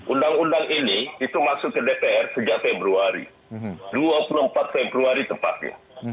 undang undang ini itu masuk ke dpr sejak februari dua puluh empat februari tepatnya